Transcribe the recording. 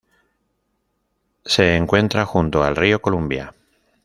Se encuentra junto al río Columbia.